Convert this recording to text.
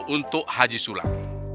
untuk haji sulam